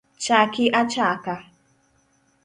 Chaki achaka